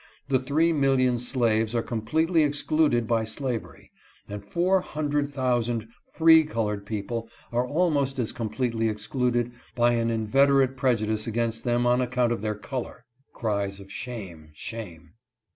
The three million slaves are completely excluded by slavery, and four hundred thousand free colored people are almost as completely excluded by an inveterate prejudice against them on account of their color. [Cries of 'Shame! shame!'